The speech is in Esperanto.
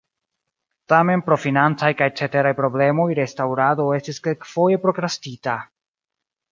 Tamen pro financaj kaj ceteraj problemoj restaŭrado estis kelkfoje prokrastita.